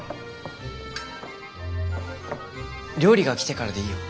料理が来てからでいいよ。